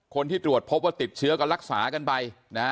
คนที่ตรวจพบว่าติดเชื้อก็รักษากันไปนะฮะ